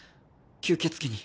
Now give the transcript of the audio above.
吸血鬼に。